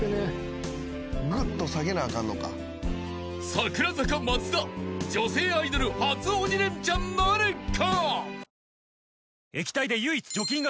［櫻坂松田女性アイドル初鬼レンチャンなるか！？］